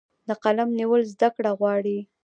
د قلم نیول زده کړه غواړي.